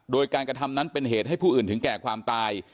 โดยการกระทำนั้นเป็นเหตุให้ผู้อื่นถึงแก่ความตาย